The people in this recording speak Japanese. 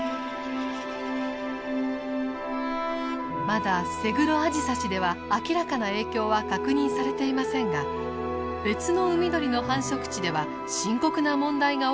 まだセグロアジサシでは明らかな影響は確認されていませんが別の海鳥の繁殖地では深刻な問題が起きています。